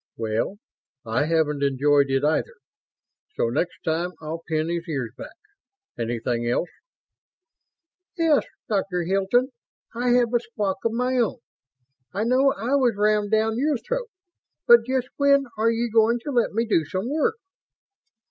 "Well, I haven't enjoyed it, either. So next time I'll pin his ears back. Anything else?" "Yes, Dr. Hilton, I have a squawk of my own. I know I was rammed down your throat, but just when are you going to let me do some work?"